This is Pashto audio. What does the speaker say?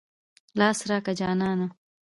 لاس راکه جانانه.